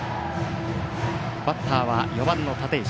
バッターは４番の立石。